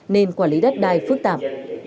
nên quản lý đất đai phức tạp